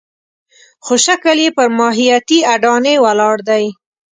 خو شکل یې پر ماهیتي اډانې ولاړ دی.